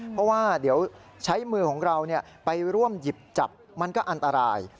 เพราะว่าเดี๋ยวใช้มือของเราไปร่วมหยิบจับมันก็อันตราย